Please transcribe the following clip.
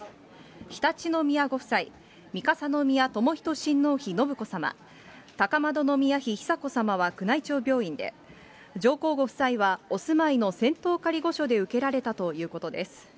常陸宮ご夫妻、三笠宮寛仁親王妃信子さま、高円宮妃久子さまは宮内庁病院で、上皇ご夫妻はお住まいの仙洞仮御所で受けられたということです。